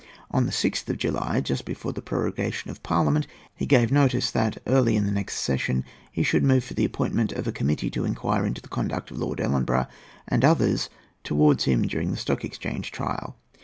On the 6th of July, just before the prorogation of Parliament, he gave notice that, early in the next session, he should move for the appointment of a committee to inquire into the conduct of Lord Ellenborough and others towards him during the Stock Exchange trial.